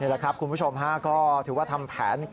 แหละครับคุณผู้ชมฮะก็ถือว่าทำแผน